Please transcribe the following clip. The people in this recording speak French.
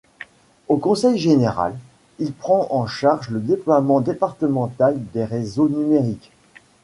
Au conseil général, il prend en charge le déploiement départemental des réseaux numériques.